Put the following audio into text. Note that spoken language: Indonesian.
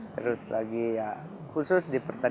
terus lagi ya khusus di pertanian